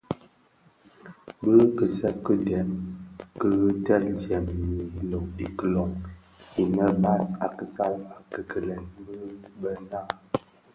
Bi kisèp ki dèm ki teel dyèm ikilön innë bas a kisal a kikilen bi bë naa.